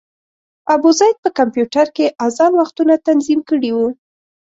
ابوزید په کمپیوټر کې اذان وختونه تنظیم کړي وو.